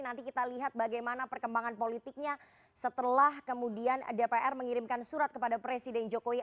nanti kita lihat bagaimana perkembangan politiknya setelah kemudian dpr mengirimkan surat kepada presiden jokowi